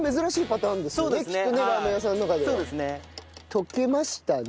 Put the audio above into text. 溶けましたね。